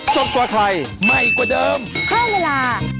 สวัสดีนะคะ